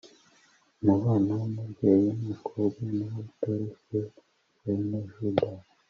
umubano w'umubyeyi n'umukobwa niwo utoroshye - wynonna judd